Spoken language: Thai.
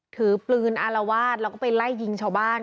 ถือปืนอารวาสแล้วก็ไปไล่ยิงชาวบ้าน